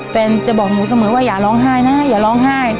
แฟนจะบอกหนูเสมอว่าอย่าร้องไห้นะอย่าร้องไห้